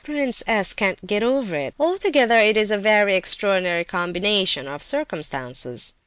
Prince S. can't get over it. Altogether it is a very extraordinary combination of circumstances."